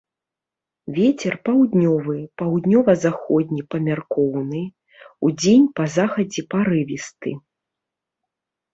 Вецер паўднёвы, паўднёва-заходні памяркоўны, удзень па захадзе парывісты.